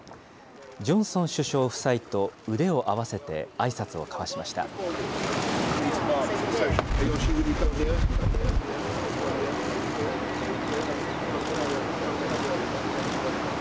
ジョンソン首相夫妻と腕を合わせてあいさつを交わしました。